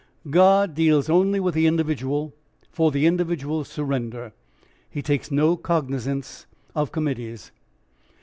God deals only with the individual for the individual's surrender. He takes no cognisance of committees.